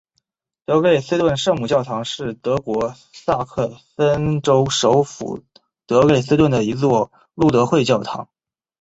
德累斯顿圣母教堂是德国萨克森州首府德累斯顿的一座路德会教堂。